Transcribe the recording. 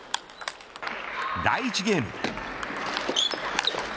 第１ゲーム。